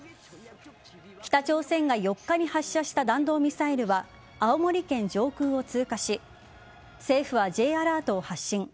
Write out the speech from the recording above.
北朝鮮が４日に発射した弾道ミサイルは青森県上空を通過し政府はＪアラートを発信。